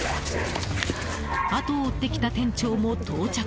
後を追ってきた店長も到着。